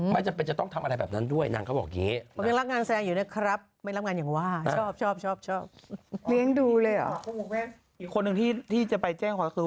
ไม่จำเป็นจะต้องทำอะไรแบบนั้นด้วยนางเขาบอกอย่างนี้